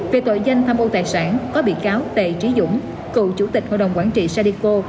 về tội danh tham ô tài sản có bị cáo tề trí dũng cựu chủ tịch hội đồng quản trị sadico